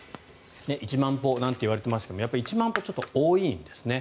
１万歩なんていわれていますが１万歩ちょっと多いんですね。